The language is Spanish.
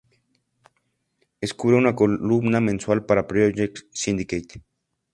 Escribe una columna mensual para Project Syndicate.